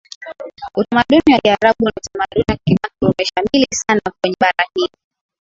utamaduni wa Kiarabu na utamaduni wa kibantu umeshamili Sana Kwenye bara hili